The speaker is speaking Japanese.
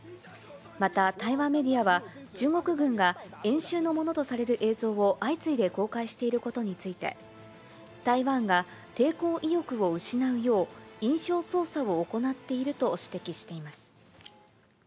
また台湾メディアは、中国軍が、演習のものとされる映像を相次いで公開していることについて、台湾が抵抗意欲を失うよう、印象操作を行っていると指摘しています。